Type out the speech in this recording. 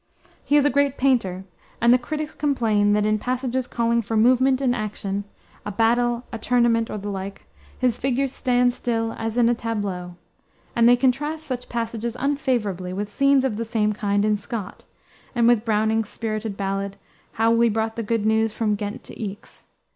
He is a great painter, and the critics complain that in passages calling for movement and action a battle, a tournament, or the like his figures stand still as in a tableau; and they contrast such passages unfavorably with scenes of the same kind in Scott, and with Browning's spirited ballad, How we brought the Good News from Ghent to Aix.